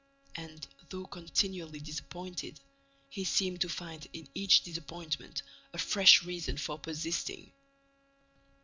And, though continually disappointed, he seemed to find in each disappointment a fresh reason for persisting.